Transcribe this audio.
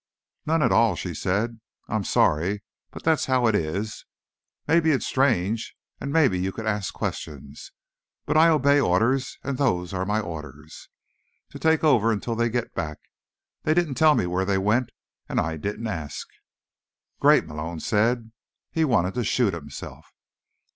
"None at all," she said. "I'm sorry, but that's how it is. Maybe it's strange, and maybe you'd ask questions, but I obey orders, and those're my orders. To take over until they get back. They didn't tell me where they went, and I didn't ask." "Great," Malone said. He wanted to shoot himself.